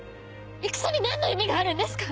戦に何の意味があるんですか